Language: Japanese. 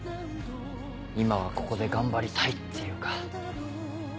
今はここで頑張りたいっていうか。